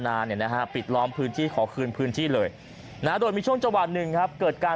เนี่ยนะฮะปิดล้อมพื้นที่ขอคืนพื้นที่เลยนะโดยมีช่วงจังหวัดหนึ่งครับเกิดการ